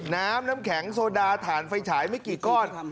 น้ำน้ำแข็งโซดาถ่านไฟฉายไม่กี่ก้อน